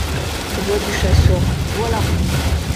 Voix du chasseur. — Voilà !…